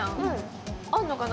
あんのかな？